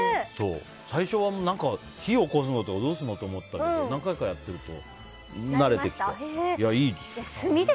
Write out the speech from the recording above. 最初は火を起こすなんてどうするの？って思ったけど何回かやってると慣れてきて。